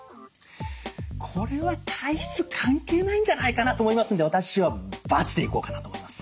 これは体質関係ないんじゃないかなと思いますので私は×でいこうかなと思います。